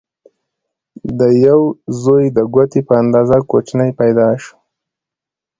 د دیو زوی د ګوتې په اندازه کوچنی پیدا شو.